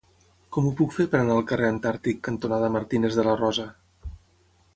Com ho puc fer per anar al carrer Antàrtic cantonada Martínez de la Rosa?